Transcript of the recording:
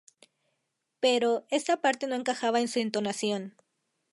Pero, esta parte no encajaba en su entonación.